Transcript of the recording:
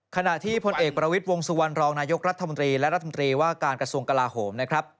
ขณะที่พลเอกประวิทย์วงสุวรรณรองนายกรัฐมนตรีและรัฐมนตรีว่าการกระทรวงกลาโหมนะครับ